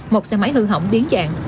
một xe máy hư hỏng biến dạng